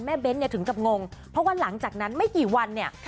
เบ้นเนี่ยถึงกับงงเพราะว่าหลังจากนั้นไม่กี่วันเนี่ย